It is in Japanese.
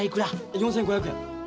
４，５００円。